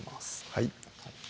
はい